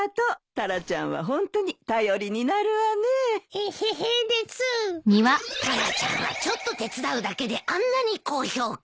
タラちゃんはちょっと手伝うだけであんなに高評価。